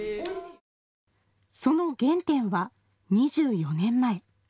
その原点は２４年前。